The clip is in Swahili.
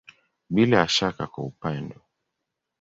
Bila ya shaka kwa upendo.